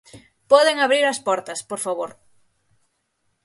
Poden abrir as portas, por favor.